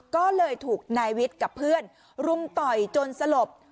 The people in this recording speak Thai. ก็เลยถูกนายวิทย์กับเพื่อนรุมต่อยจนสลบ